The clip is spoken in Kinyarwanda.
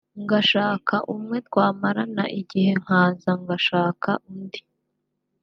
ngashaka umwe twamarana igihe nkaza ngashaka undi